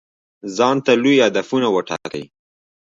ځانته لوی هدفونه وټاکئ.